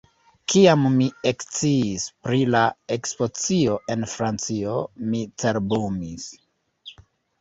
Kiam mi eksciis pri la ekspozicio en Francio, mi cerbumis.